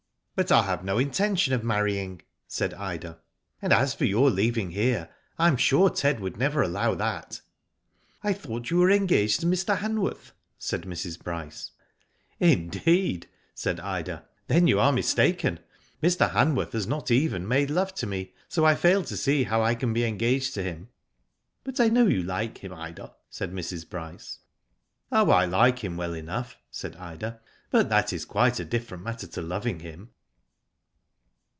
'* But I have no intention of marrying," said Ida. *' And as for your leaving here, I am sure Ted would never allow that." I thought you were engaged to Mr. Han worth," said Mrs. Bryce. " Indeed !" said Ida* " Then you are mistaken. Mr. Hanworth has not even made love to me, so I fail to see how I can be engaged to him." '* But I know you like him, Ida," said Mrs. Bryce. "Oh, I like him well enough,'^ said Ida, "but that is quite a different matter to loving him."